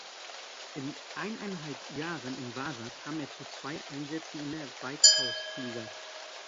In eineinhalb Jahren in Vaasa kam er zu zwei Einsätzen in der Veikkausliiga.